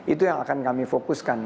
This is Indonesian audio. itu yang akan kami fokuskan